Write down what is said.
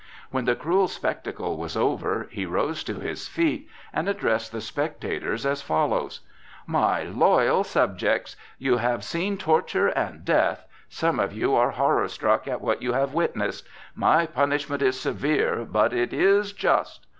When the cruel spectacle was over, he rose to his feet and addressed the spectators as follows: "My loyal subjects! You have seen torture and death! Some of you are horror struck at what you have witnessed! My punishment is severe, but it is just.